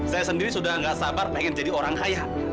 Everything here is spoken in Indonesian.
saya sendiri sudah nggak sabar pengen jadi orang kaya